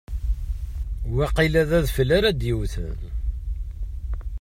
Waqila d adfel ara d-yewwten.